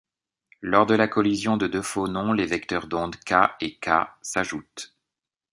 Lors de la collision de deux phonons, les vecteurs d'onde k et k s'ajoutent.